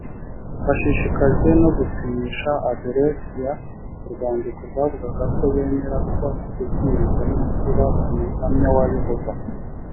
bashishikajwe no gusinyisha andreas urwandiko rwavugaga ko yemera ko kubwiriza no kuba umuhamya wa yehova